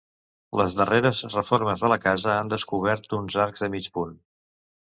Les darreres reformes de la casa han descobert uns arcs de mig punt.